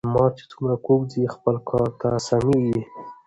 مار چی څومره کوږ ځي خپل کار ته سمیږي .